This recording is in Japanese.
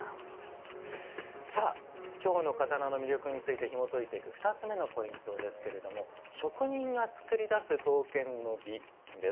京の刀の魅力についてひもといていく２つ目のポイントですが「職人が作り出す刀剣の美」です。